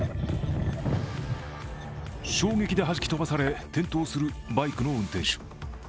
衝撃ではじき飛ばされ転倒するバイクの運転手。